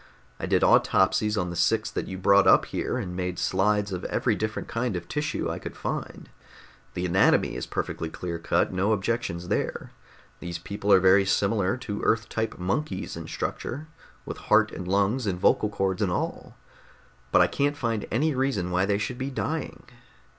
I did autopsies on the six that you brought up here and made slides of every different kind of tissue I could find. The anatomy is perfectly clear cut, no objections there. These people are very similar to Earth type monkeys in structure, with heart and lungs and vocal cords and all. But I can't find any reason why they should be dying.